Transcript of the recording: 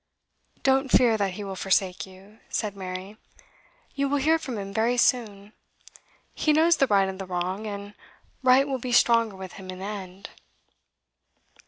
'Don't fear that he will forsake you,' said Mary. 'You will hear from him very soon. He knows the right and the wrong, and right will be stronger with him in the end.